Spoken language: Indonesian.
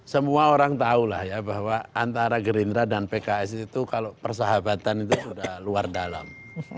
semua orang tahu lah ya bahwa antara gerindra dan pks itu kalau persahabatan itu sudah luar dalam